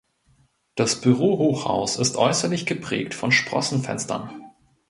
Das Bürohochhaus ist äußerlich geprägt von Sprossenfenstern.